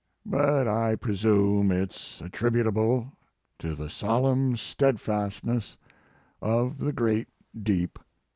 But I presume it s attributable to the solemn steadfastness of the great deep."